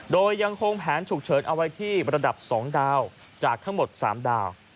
โดยยังคงแผนฉุกเฉินเอาไว้ที่ระดับ๒ดาวจากทั้งหมด๓ดาว